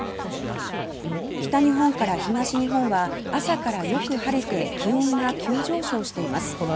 北日本から東日本は朝からよく晴れて気温が急上昇しています。